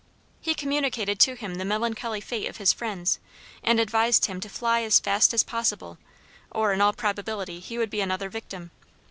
He communicated to him the melancholy fate of his friends, and advised him to fly as fast as possible, or, in all probability, he would be another victim.